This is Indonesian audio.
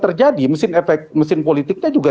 terjadi mesin efek mesin politiknya juga